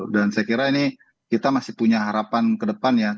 dan saya kira ini kita masih punya harapan kedepan ya